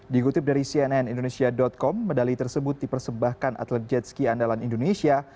digutip dari cnn indonesia com medali tersebut dipersembahkan atlet jet ski andalan indonesia